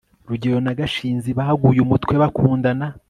rugeyo na gashinzi baguye umutwe bakundana